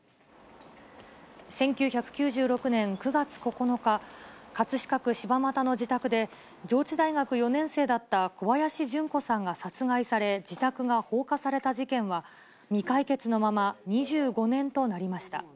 １９９６年９月９日、葛飾区柴又の自宅で、上智大学４年生だった小林順子さんが殺害され、自宅が放火された事件は、未解決のまま２５年となりました。